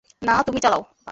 না, তুমি চালাও।